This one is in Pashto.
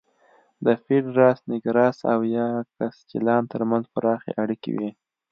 د پېډراس نېګراس او یاکسچیلان ترمنځ پراخې اړیکې وې